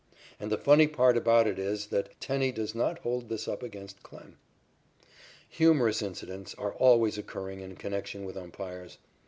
And the funny part about it is that Tenney does not hold this up against Klem. Humorous incidents are always occurring in connection with umpires.